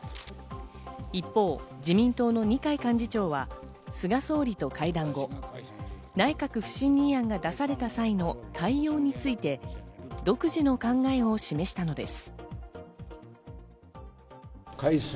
一方、自民党の二階幹事長は菅総理と会談後、内閣不信任案が出された際の対応について独自の考えを示したのです。